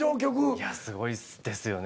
いやすごいですよね